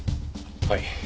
はい。